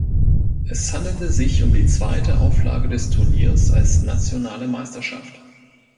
Es handelte sich um die zweite Auflage des Turniers als nationale Meisterschaft.